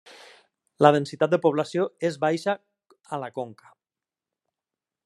La densitat de població és baixa a la Conca.